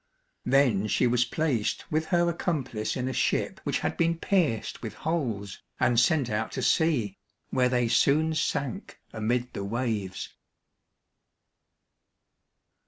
Then she was placed with her accomplice in a ship which had been pierced with holes, and sent out to sea, where they soon sank amid the waves.